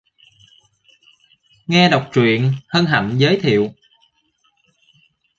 Nghe đọc truyện hân hạnh giới thiệu